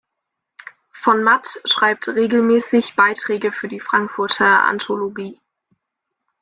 Von Matt schreibt regelmässig Beiträge für die "Frankfurter Anthologie".